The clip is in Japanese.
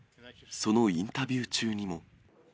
そのインタビュー中にも。